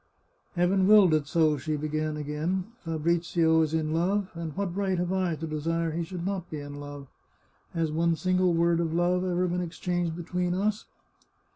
" Heaven willed it so," she began again. " Fabrizio is in love, and what right have I to desire he should not be in love? Has one single word of love ever been exchanged between us